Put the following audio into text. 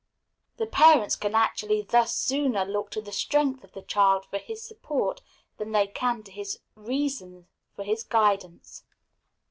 The parents can actually thus sooner look to the strength of the child for his support than they can to his reason for his guidance.